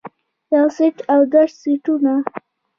يو څټ او دوه څټونه